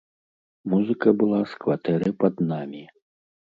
Музыка была з кватэры пад намі.